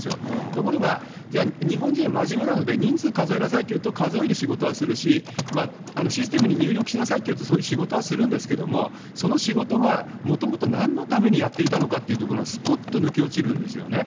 ところが、じゃあ、日本人は真面目なので、人数数えなさいっていうと数える仕事はするし、システムに入力しなさいというと、そういう仕事はするんですけれども、その仕事がもともと何のためにやっていたのかっていうところがすぽっと抜け落ちるんですよね。